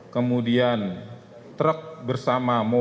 kemudian truk bersama mobil